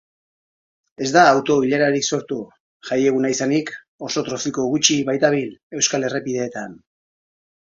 Ez da auto-ilararik sortu, jaieguna izanik oso trafiko gutxi baitabil euskal errepideetan.